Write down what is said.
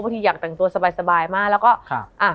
บางทีอยากจังตัวสบายสบายมากแล้วก็ค่ะอ่ะ